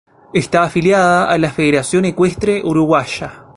Está afiliada a la Federación Ecuestre Uruguaya.